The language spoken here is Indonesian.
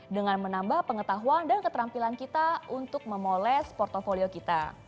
dengan menambah pengetahuan dan keterampilan kita untuk memoles portfolio kita